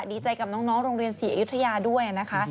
ดีใจกับน้องโรงเรียนศรีอยุธยาด้วยนะคะ